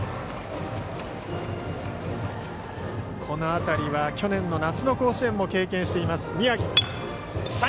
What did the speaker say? この辺りは去年の夏の甲子園も経験しています、宮城。